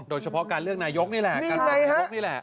โดยเฉพาะการเลือกนายกนี่แหละ